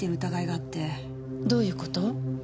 どういう事？